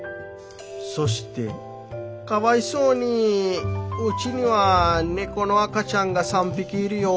そして『かわいそうにうちには猫の赤ちゃんが３匹いるよ。